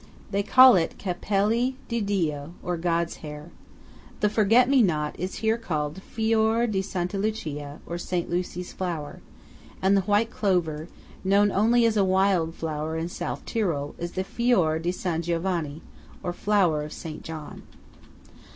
They call it "Capelli di Dio," or God's Hair. The forget me not is here called Fior di Santa Lucia, or Saint Lucy's flower; and the white clover, known only as a wild flower in South Tyrol, is the Fior di San Giovanni, or Flower of Saint John.